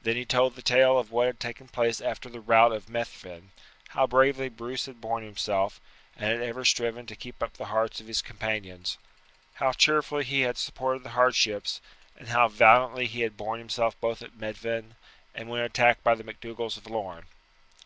Then he told the tale of what had taken place after the rout of Methven, how bravely Bruce had borne himself, and had ever striven to keep up the hearts of his companions; how cheerfully he had supported the hardships, and how valiantly he had borne himself both at Methven and when attacked by the MacDougalls of Lorne.